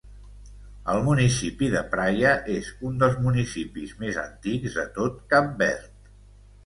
El Municipi de Praia és un dels municipis més antics de tot Cap Verd.